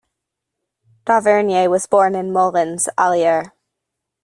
Dauvergne was born in Moulins, Allier.